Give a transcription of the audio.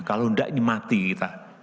kalau enggak ini mati kita